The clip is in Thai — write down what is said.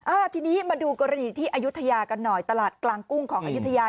อ่าทีนี้มาดูกรณีที่อายุทยากันหน่อยตลาดกลางกุ้งของอายุทยา